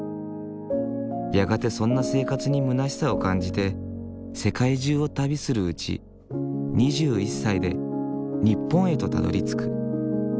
やがてそんな生活にむなしさを感じて世界中を旅するうち２１歳で日本へとたどりつく。